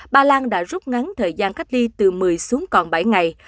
ba lan đã rút ngắn thời gian cách ly từ một mươi xuống còn bảy ngày